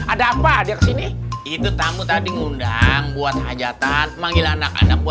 ada apa dia sini itu tamu tadi ngundang buat hajatan